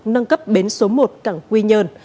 nâng cấp bến số một cảng quy nhơn